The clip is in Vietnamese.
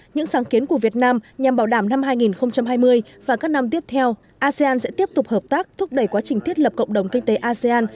những sáng kiến của việt nam nhằm bảo đảm năm hai nghìn hai mươi và các năm tiếp theo asean sẽ tiếp tục hợp tác thúc đẩy quá trình thiết lập cộng đồng kinh tế asean